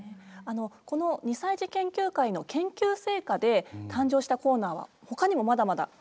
この２歳児研究会の研究成果で誕生したコーナーはほかにもまだまだあるんですね。